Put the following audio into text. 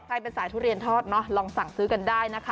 เป็นสายทุเรียนทอดเนอะลองสั่งซื้อกันได้นะคะ